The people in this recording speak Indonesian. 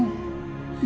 dan demi kalian berdua